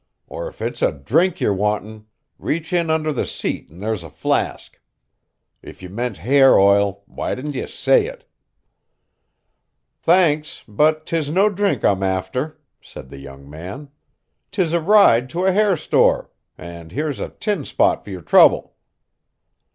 Or if it's a drink ye're wantin' reach in under the seat an' there's a flask. If ye meant hair oil why didn't ye say it?" "Thanks, but 'tis no drink I'm afther," said the young man. "'Tis a ride to a hair store, an' here's a tin spot fer yer trouble."